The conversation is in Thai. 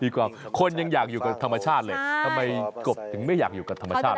คนยังอยากอยู่กับธรรมชาติเลยทำไมกบถึงไม่อยากอยู่กับธรรมชาติ